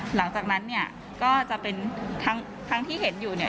หลังจากนั้นเนี่ยก็จะเป็นทั้งที่เห็นอยู่เนี่ย